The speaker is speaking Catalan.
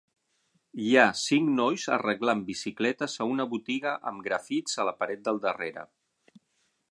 Hi ha cinc nois arreglant bicicletes a una botiga amb grafits a la paret del darrere.